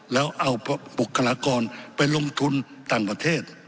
แล้วเอาบุคลากรไปลงทุนต่างประเทศ